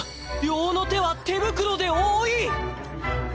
両の手は手袋で覆い！